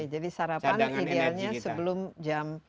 jadi sarapan idealnya sebelum jam